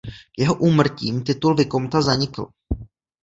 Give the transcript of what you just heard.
Jeho úmrtím titul vikomta zanikl.